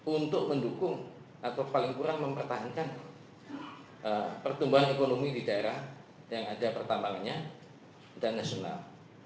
untuk mendukung atau paling kurang mempertahankan pertumbuhan ekonomi di daerah yang ada pertambangannya dan nasional